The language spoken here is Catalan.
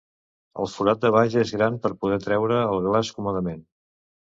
El forat de baix és gran per poder treure el glaç còmodament.